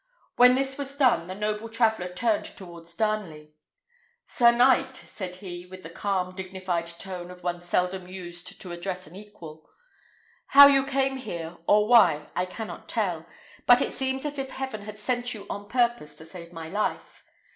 When this was done, the noble traveller turned towards Darnley. "Sir knight," said he, with the calm, dignified tone of one seldom used to address an equal, "how you came here, or why, I cannot tell; but it seems as if heaven had sent you on purpose to save my life.